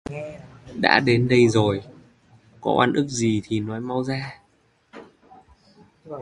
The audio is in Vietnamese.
Đã đến đây rồi có oan ức gì thì mau nói ra